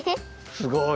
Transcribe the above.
すごい。